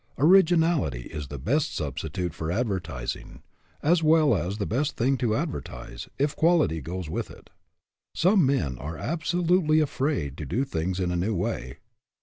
Originality is the best substitute for advertising, as well as 170 ORIGINALITY the best thing to advertise, if quality goes with it. Some men are absolutely afraid to do things in a new way.